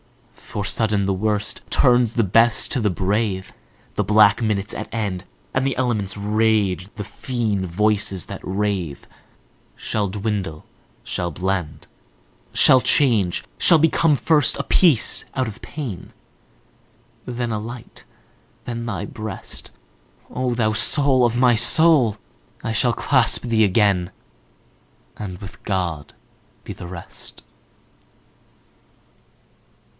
For sudden the worst turns the best to the brave, The black minute's at end, And the elements' rage, the fiend voices that rave, Shall dwindle, shall blend, Shall change, shall become first a peace out of pain. Then a light, then thy breast,O thou soul of my soul! I shall clasp thee again, And with God be the rest!